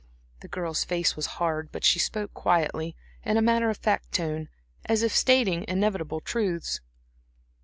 The girl's face was hard, but she spoke quietly, in a matter of fact tone, as if stating inevitable truths.